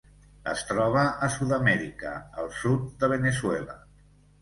Es troba a Sud-amèrica: el sud de Veneçuela.